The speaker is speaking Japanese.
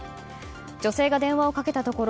女性が電話をかけたところ